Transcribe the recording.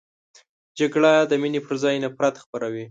جګړه د مینې پر ځای نفرت خپروي